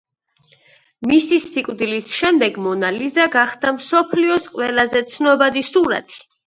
მისი სიკვდილის შემდეგ მონა ლიზა გახდა მსოფლიოს ყველაზე ცნობადი სურათი.